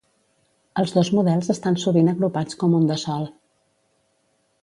Els dos models estan sovint agrupats com un de sol.